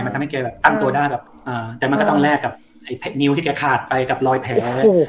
มันทำให้แกแบบตั้งตัวได้แบบแต่มันก็ต้องแลกกับไอ้นิ้วที่แกขาดไปกับรอยแผล